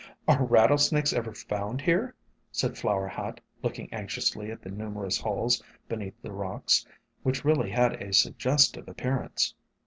"Are rattlesnakes ever found here?" said Flower Hat, looking anxiously at the numerous holes be neath the rocks, which really had a suggestive ap pearance.